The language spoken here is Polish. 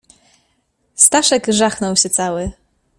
"Staszek żachnął się cały."